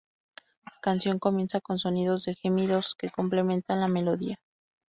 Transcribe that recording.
La canción comienza con sonidos de gemidos, que complementan la melodía.